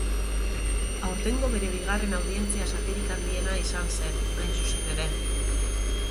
Aurtengo bere bigarren audientzia zatirik handiena izan zen, hain zuzen ere.